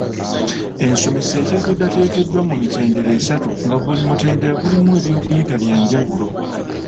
Ensomesa eteekeddwateekeddwa mu mitendera esatu nga buli mutendera gulimu ebyokuyiga bya njawulo.